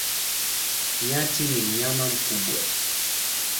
Nyati ni mnyama mkubwa.